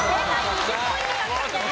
２０ポイント獲得です。